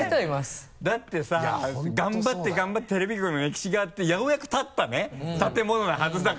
だってさ頑張って頑張ってテレビ局の歴史があってようやく立ったね建物のはずだから。